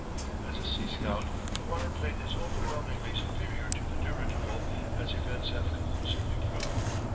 As a sea scout the waterplane is overwhelmingly superior to the dirigible as events have conclusively proved.